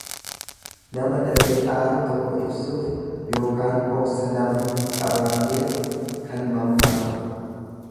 Nama dafee aaru tokko ibsuuf, ykn obsa nama hin qabaanneef kan mammaakamu.